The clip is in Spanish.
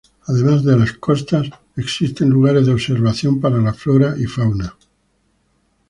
Además de las costas existen lugares de observación para la flora y fauna.